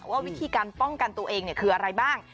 ว่าวิธีการป้องกันตัวเองคืออะไรบ้าง